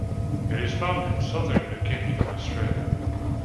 It is found in Southern New Guinea and Australia.